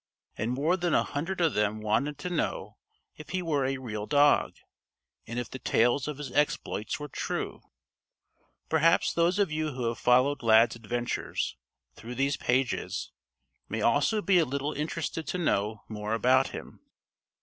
And more than a hundred of them wanted to know if he were a real dog: and if the tales of his exploits were true. Perhaps those of you who have followed Lad's adventures, through these pages, may also be a little interested to know more about him.